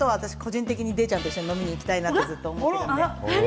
個人的にデイちゃんと一緒に飲みに行きたいなとずっと思っていて。